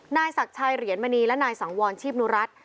นายศักดิ์ชัยเหรียญมณีและนายสังวรชีพนุรัติ